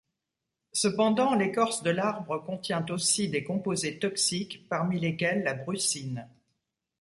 Cependant, l'écorce de l'arbre contient aussi des composés toxiques, parmi lesquels la brucine.